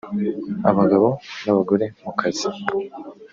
abagabo n’abagore mu kazi